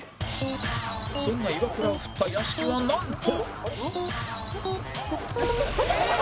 そんなイワクラをフッた屋敷はなんと